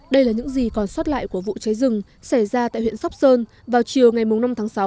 đây là những gì còn sót lại của vụ cháy rừng xảy ra tại huyện sóc sơn vào chiều ngày năm tháng sáu